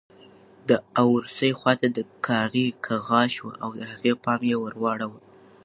د اورسۍ خواته د کاغۍ کغا شوه او د هغې پام یې ور واړاوه.